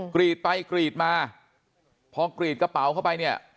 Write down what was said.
กรีดไปกรีดมาพอกรีดกระเป๋าเข้าไปเนี่ย